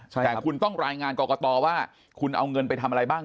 แต่คุณต้องรายงานกรกตว่าคุณเอาเงินไปทำอะไรบ้าง